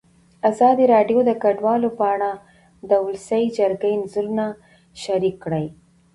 ازادي راډیو د کډوال په اړه د ولسي جرګې نظرونه شریک کړي.